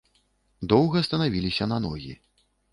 Доўга станавіліся на ногі.